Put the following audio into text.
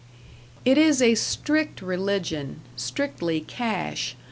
It is a strict religion strictly cash.